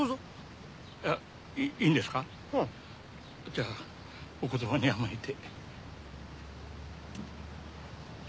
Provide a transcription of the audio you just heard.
じゃあお言葉に甘えて。